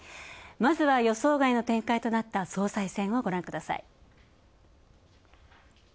まずは予想外となった総裁選をご覧ください。